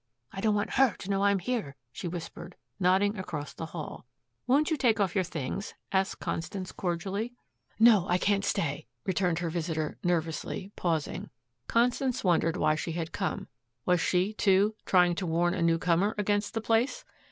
"I don't want her to know I'm here," she whispered, nodding across the hall. "Won't you take off your things?" asked Constance cordially. "No, I can't stay," returned her visitor nervously, pausing. Constance wondered why she had come. Was she, too, trying to warn a newcomer against the place!